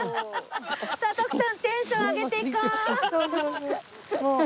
さあ徳さんテンション上げていこう！